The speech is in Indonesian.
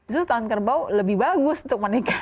zul tahun kerbau lebih bagus untuk menikah